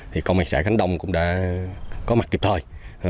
thì công an xã khánh đông cũng đã có mặt kịp thời